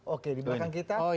oke di belakang kita